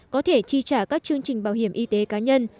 có thể chi trả các chương trình bảo hiểm y tế cá nhân